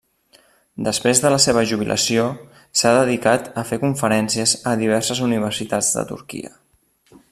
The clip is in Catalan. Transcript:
Després de la seva jubilació, s'ha dedicat a fer conferències a diverses universitats de Turquia.